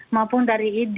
maupun dari id